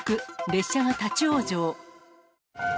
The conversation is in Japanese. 列車が立往生。